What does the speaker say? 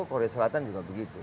korea selatan juga begitu